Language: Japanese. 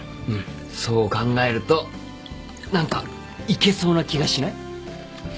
そう考えると何かいけそうな気がしない？